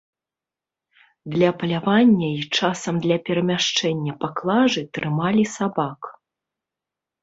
Для палявання і часам для перамяшчэння паклажы трымалі сабак.